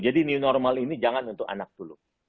jadi new normal ini jangan untuk anak dulu